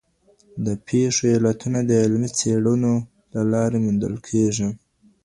د پېښو علتونه د علمي څېړنو له لارې موندل کېږي.